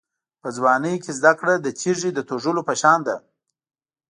په ځوانۍ کې زده کړه د تېږې د توږلو په شان ده.